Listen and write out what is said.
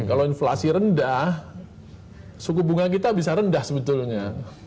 kalau inflasi rendah suku bunga kita bisa rendah sebetulnya